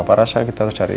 papa rasa kita recurri